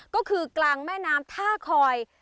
ก็คือกลางแม่น้ำท่าคอย